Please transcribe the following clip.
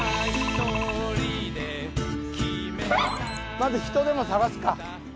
まず人でも探すか。